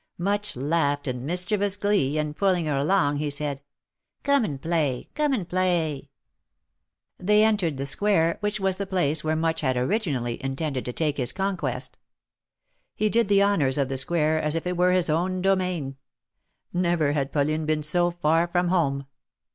Much laughed in mischievous glee, and pulling her along, he said : Come and play ! come and play !" They entered the Square, which was the place where Much had originally intended to take his conquest. He did the 232 THE MAEKETS OF PAEIS. honors of the Square as if it were his own domain. Never had Pauline been so far from home.